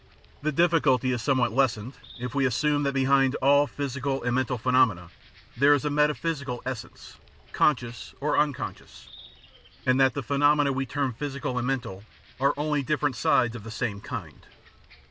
The difficulty is somewhat lessened if we assume that behind all physical and mental phenomena there is a metaphysical essence, conscious or im conscious, and that the phenomena we term physical and mental are only different sides of the same kind.